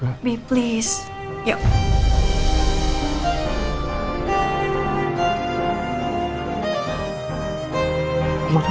mau sama bapak